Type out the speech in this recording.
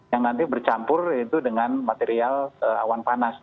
yang nanti bercampur itu dengan material awan panas